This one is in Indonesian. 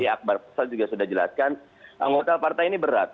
karena tadi akbar faisal juga sudah jelaskan anggota partai ini berat